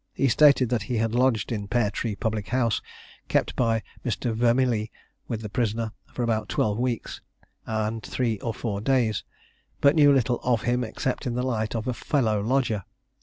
He stated that he had lodged in the Pear Tree public house, kept by Mr. Vermillee, with the prisoner, for about twelve weeks and three or four days, but knew little of him except in the light of a fellow lodger.